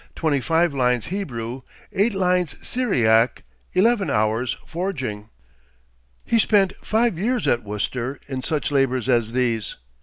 25 lines Hebrew; 8 lines Syriac; 11 hours forging." He spent five years at Worcester in such labors as these.